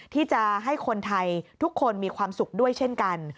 ที่จะให้คนไทยทุกคนมีความสุขด้วยเช่นกัน